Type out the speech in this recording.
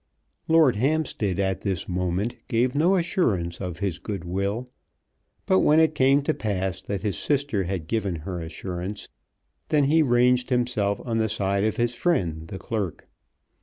Lord Hampstead at this moment gave no assurance of his good will; but when it came to pass that his sister had given her assurance, then he ranged himself on the side of his friend the clerk.